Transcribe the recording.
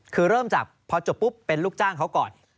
คือเริ่มจากพอจบปุ๊บเป็นลูกจ้างเขาก่อน